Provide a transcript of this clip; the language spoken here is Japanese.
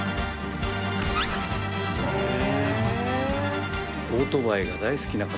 へえ！